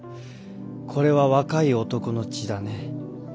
これは若い男の血だね。